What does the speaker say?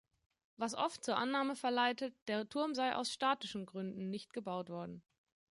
Was oft zur Annahme verleitet, der Turm sei aus statischen Gründen nicht gebaut worden.